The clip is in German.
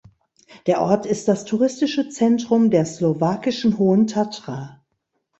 Der Ort ist das touristische Zentrum der slowakischen Hohen Tatra.